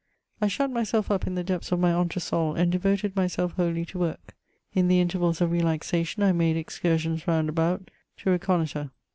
I SHUT myself up in the depths of my entresol, and devoted myself wholly to work. In the intervals of relaxation, I made •excursions round about to reconnoitre.